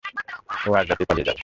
ও আজ রাতেই পালিয়ে যাবে।